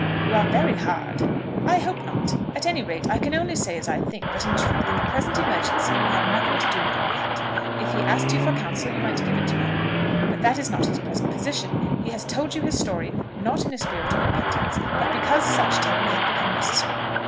"You are very hard." "I hope not. At any rate I can only say as I think. But, in truth, in the present emergency you have nothing to do with all that. If he asked you for counsel you might give it to him, but that is not his present position. He has told you his story, not in a spirit of repentance, but because such telling had become necessary."